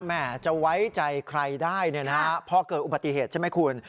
แม่จะไว้ใจใครได้เพราะเกิดอุปติเหตุใช่ไหมคุณ